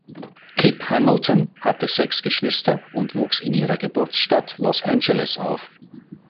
Kipp Hamilton hatte sechs Geschwister und wuchs in ihrer Geburtsstadt Los Angeles auf.